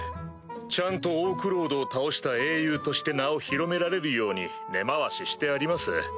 ちゃんとオークロードを倒した英雄として名を広められるように根回ししてあります。